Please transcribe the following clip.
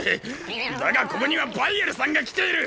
だがここにはバイエルさんが来ている！